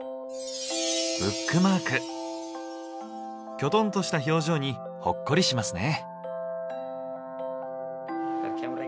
キョトンとした表情にほっこりしますね。